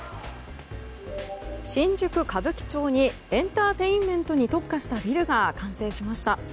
新宿・歌舞伎町にエンターテインメントに特化したビルが完成しました。